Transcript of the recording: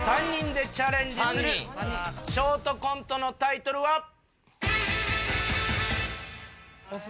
３人でチャレンジするショートコントのタイトルは。